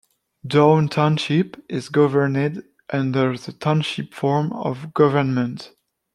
Downe Township is governed under the Township form of government.